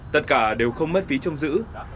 tất cả đều không mất phí trong giữ